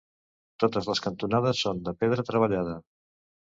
Totes les cantonades són de pedra treballada.